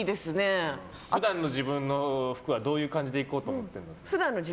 普段の自分の服はどういう感じでいこうと思ってるの？